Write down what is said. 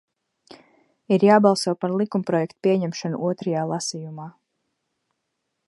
Ir jābalso par likumprojekta pieņemšanu otrajā lasījumā.